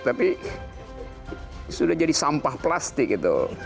tapi sudah jadi sampah plastik itu